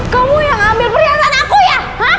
kamu yang ambil perhiasan aku ya